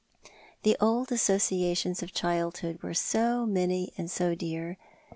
The old associations of childhood were so many and so dear.